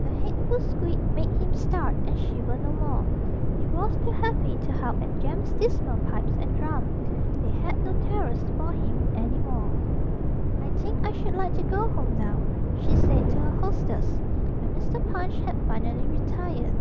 The hateful squeak made him start and shiver no more; he was too happy to howl at Jem's dismal pipes and drum: they had no terrors for him any more. 'I think I should like to go home now,' she said to her hostess, when Mr. Punch had finally retired.